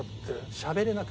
しゃべれなく？